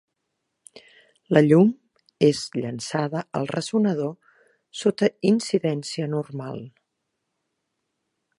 La llum és llençada al ressonador sota incidència normal.